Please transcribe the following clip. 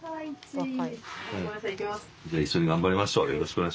一緒に頑張りましょう。